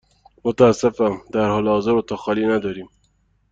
متأسفم، در حال حاضر اتاق خالی نداریم.